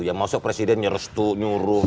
ya maksudnya presiden nyerestu nyuruh